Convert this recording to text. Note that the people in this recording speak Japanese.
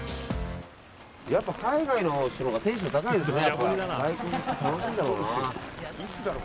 やっぱり海外の人のほうがテンション高いですね。